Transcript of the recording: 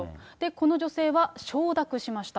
この女性は、承諾しました。